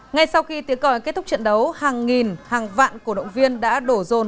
ngay sau khi tiếng còi kết thúc trận đấu hàng nghìn hàng vạn cổ động viên đã đổ rồn